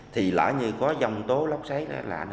thì lỡ như có dòng tố lốc xáy là